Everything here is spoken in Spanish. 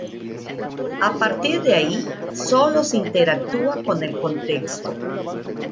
A partir de ahí, solo se interactúa con el contexto.